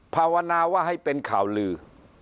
ภาวนาว่าให้เป็นข่าวลือ